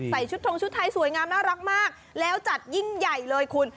ชุดทงชุดไทยสวยงามน่ารักมากแล้วจัดยิ่งใหญ่เลยคุณ